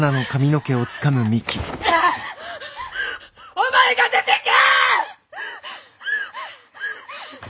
お前が出てけ！